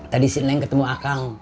tadi si neng ketemu akang